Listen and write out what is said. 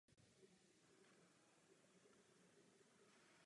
Tvrz sloužila jako panské sídlo od čtrnáctého do počátku sedmnáctého století.